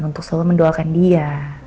untuk selalu mendoakan dia